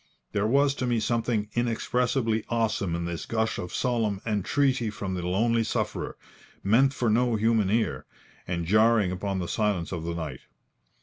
There was to me something inexpressibly awesome in this gush of solemn entreaty from the lonely sufferer, meant for no human ear, and jarring upon the silence of the night.